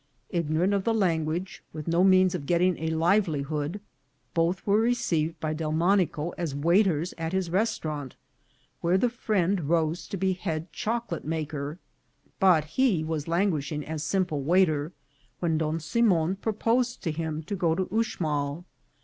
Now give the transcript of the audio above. Ig norant of the language, with no means of getting a live lihood, both were received by Delmonico as waiters at his restaurant, where the friend rose to be head choco late maker; but he was languishing as simple waiter, when Don Simon proposed to him to go to Uxmal.